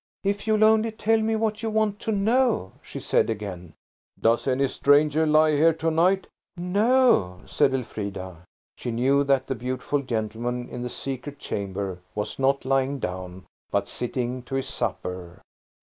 "If you'll only tell me what you want to know," she said again. "Does any stranger lie here to night?" "No," said Elfrida. She knew that the beautiful gentleman in the secret chamber was not lying down, but sitting to his supper.